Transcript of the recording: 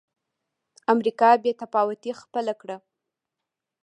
امریکا بې تفاوتي خپله کړه.